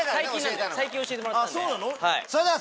最近教えてもらったんで。